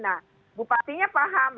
nah bupatinya paham